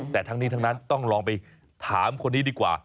แต่ทั้งนี้ทั้งนั้นต้องลองไปถามคนนี้ดีกว่า